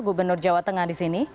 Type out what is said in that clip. gubernur jawa tengah di sini